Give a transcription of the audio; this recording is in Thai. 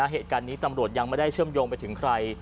เหตุการณ์นี้ตำรวจยังไม่ได้เชื่อมโยงไปถึงใคร